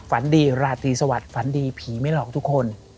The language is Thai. ฝันดีราตรีสวัสดิฝันดีผีไม่หลอกทุกคน